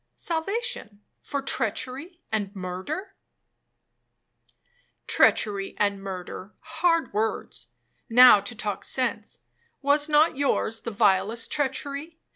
'—'Salvation, for treachery and murder?'—'Treachery and murder,—hard words. Now, to talk sense, was not yours the vilest treachery?